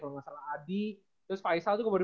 kalo gak salah adi terus faisal tuh baru